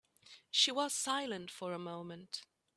She was silent for a moment.